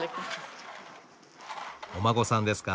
お孫さんですか。